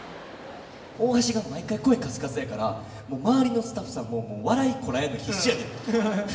大橋が毎回声カスカスやからもう周りのスタッフさんももう笑いこらえるの必死やねん。